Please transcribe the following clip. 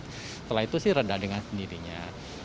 setelah itu sih rendah dengan sendirinya